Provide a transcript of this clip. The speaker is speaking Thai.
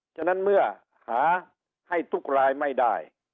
ฉะนั้นเมื่อหาให้ทุกรายไม่ได้